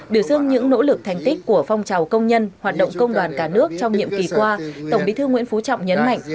biểu dương những nỗ lực thành tích của phong trào công nhân hoạt động công đoàn cả nước trong nhiệm kỳ qua tổng bí thư nguyễn phú trọng nhấn mạnh